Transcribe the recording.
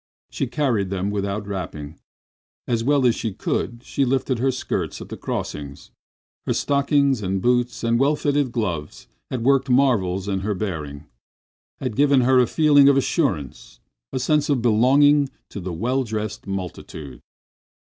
She carried them without wrapping. As well as she could she lifted her skirts at the crossings. Her stockings and boots and well fitting gloves had worked marvels in her bearing—had given her a feeling of assurance, a sense of belonging to the well dressed multitude.